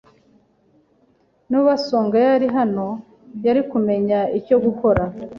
Niba Songa yari hano, yari kumenya icyo gukora.